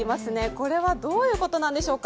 これはどういうことなんでしょうか。